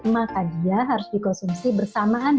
maka dia harus dikonsumsi bersama sama